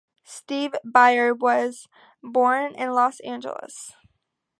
Steve Baer was born in Los Angeles.